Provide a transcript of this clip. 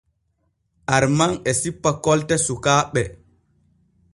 Arman e sippa kolte sukaaɓe.